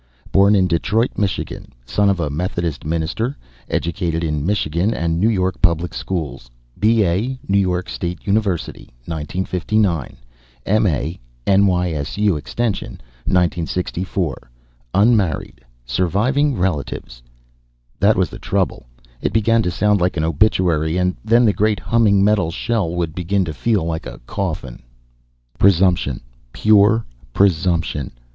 Born in Detroit, Michigan, son of a Methodist minister; educated in Michigan and New York public schools; B.A., New York State University, 1959; M.A., N.Y.S.U. Extension, 1964. Unmarried. Surviving relatives " That was the trouble, it began to sound like an obituary. And then the great humming metal shell would begin to feel like a coffin.... Presumption. Pure presumption.